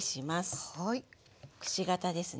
くし形ですね。